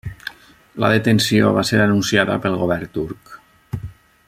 La detenció va ser anunciada pel govern turc.